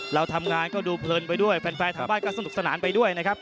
เราทำงานก็ดูเพลินไปด้วยแฟนทางบ้านก็สนุกสนานไปด้วยนะครับ